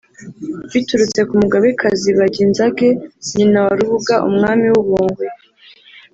biturutse ku Mugabekazi Banginzage nyina wa Rubuga Umwami w’u Bungwe